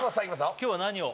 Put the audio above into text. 今日は何を？